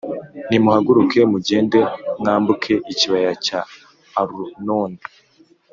Nimuhaguruke mugende mwambuke ikibaya cya Arunoni.